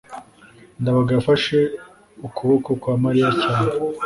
ndabaga yafashe ukuboko kwa mariya cyane